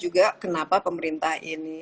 juga kenapa pemerintah ini